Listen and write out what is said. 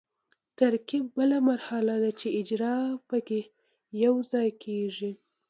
ترکیب بله مرحله ده چې اجزا پکې یوځای کیږي.